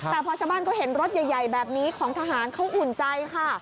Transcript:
แต่พอชาวบ้านเขาเห็นรถใหญ่แบบนี้ของทหารเขาอุ่นใจค่ะ